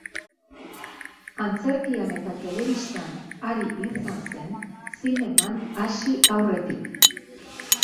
Antzerkian eta telebistan ari izan zen, zineman hasi aurretik.